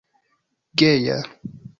geja